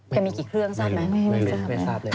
ไม่รู้ไม่รู้ไม่ทราบเลย